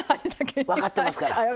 分かってますから。